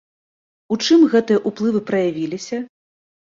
У чым гэтыя ўплывы праявіліся?